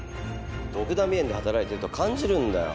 ドクダミ園で働いていると感じるんだよ。